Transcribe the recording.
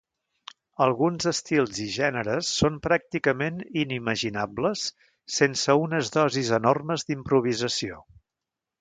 Alguns estils i gèneres són pràcticament inimaginables sense unes dosis enormes d'improvisació.